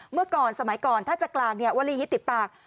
เมื่อก่อนสมัยก่อนถ้าจะกลางวลีฮิตติดปาก